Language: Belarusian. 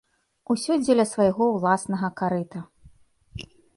Усё дзеля свайго ўласнага карыта.